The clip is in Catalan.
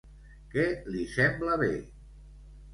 Què li sembla bé?